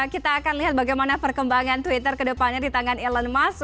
kita akan lihat bagaimana perkembangan twitter ke depannya di tangan elon musk